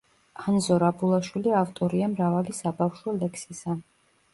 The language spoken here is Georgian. ანზორ აბულაშვილი ავტორია მრავალი საბავშვო ლექსისა.